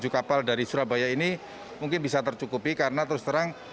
tujuh kapal dari surabaya ini mungkin bisa tercukupi karena terus terang